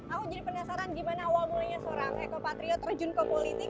aku jadi penasaran gimana awal mulanya seorang eko patrio terjun ke politik